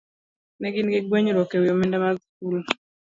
ne gin gi gwenyruok e wi omenda mag skul.